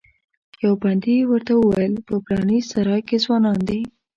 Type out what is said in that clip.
یوه پندي ورته وویل په پلانې سرای کې ځوانان دي.